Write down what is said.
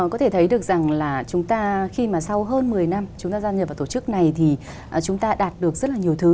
có thể thấy được rằng là chúng ta khi mà sau hơn một mươi năm chúng ta gia nhập vào tổ chức này thì chúng ta đạt được rất là nhiều thứ